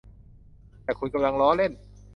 แต่คุณกำลังล้อเล่น